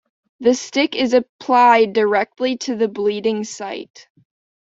The stick is applied directly to the bleeding site.